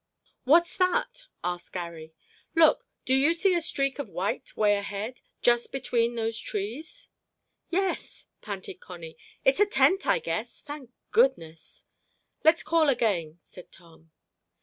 "What's that?" said Garry. "Look, do you see a streak of white way ahead—just between those trees?" "Yes," panted Connie. "It's a tent, I guess—thank goodness." "Let's call again," said Tom.